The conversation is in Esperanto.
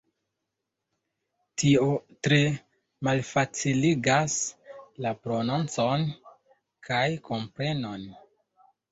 Tio tre malfaciligas la prononcon kaj komprenon.